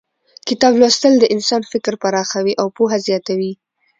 کتاب لوستل د انسان فکر پراخوي او پوهه زیاتوي